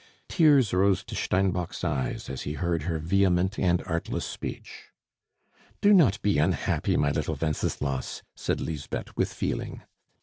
Tears rose to Steinbock's eyes as he heard her vehement and artless speech. "Do not be unhappy, my little Wenceslas," said Lisbeth with feeling.